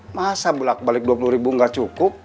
masa belak balik rp dua puluh nggak cukup